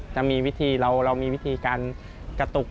จะมีวิธีเรามีวิธีการกระตุก